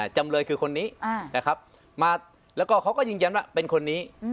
จำเลยคือคนนี้นะครับมาแล้วก็เขาก็ยืนยันว่าเป็นคนนี้